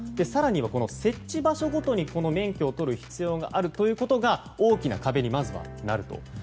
更には設置場所ごとに免許を取る必要があるということが大きな壁に、まずはなると。